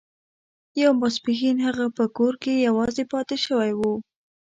یو ماسپښین هغه په کور کې یوازې پاتې شوی و